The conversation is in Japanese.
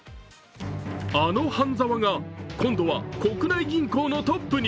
あの半沢が今度は国内銀行のトップに！